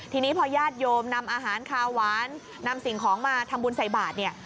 ทีนี้พอญาติโยมนำอาหารคาวหวานนำสิ่งของมาทำบุญใส่บาทเนี่ย